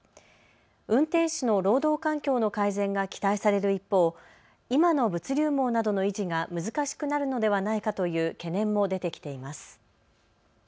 運転手の労働環境の改善が期待される一方、今の物流網などの維持が難しくなるのではないかという懸念も出てきています。